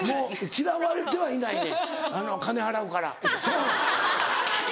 嫌われてはいないねん。金払うから違う。